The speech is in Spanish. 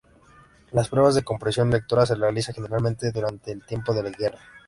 Las pruebas de comprensión lectora se realizan generalmente durante el tiempo de clase.